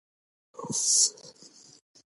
د غلیان او انجماد د نقطو بدلون په مقدار پورې تړلی دی.